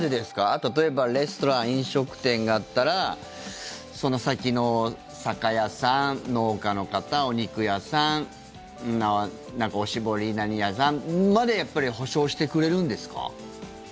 例えばレストラン、飲食店があったらその先の酒屋さん、農家の方お肉屋さんなんか、おしぼり何屋さんまで補償してくれるんですか？